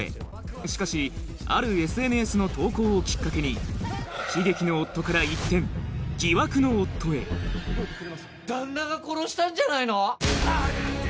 しかしあるＳＮＳの投稿をきっかけに悲劇の夫から一転疑惑の夫へ旦那が殺したんじゃないの⁉あっ！